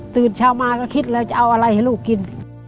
ตื่นเช้ามาก็คิดแล้วจะเอาอะไรให้ลูกกิน